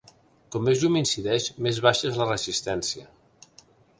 Com més llum incideix, més baixa és la resistència.